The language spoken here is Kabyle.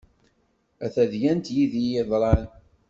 A tadyant yid-i yeḍran.